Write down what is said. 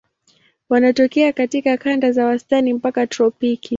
Wanatokea katika kanda za wastani mpaka tropiki.